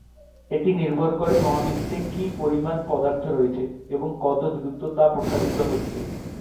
এটা নির্ভর করে মহাবিশ্বে কি পরিমাণ পদার্থ রয়েছে এবং কত দ্রুত তা প্রসারিত হচ্ছে।